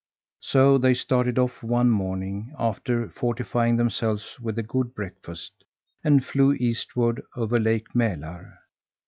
So they started off one morning, after fortifying themselves with a good breakfast, and flew eastward over Lake Mälar.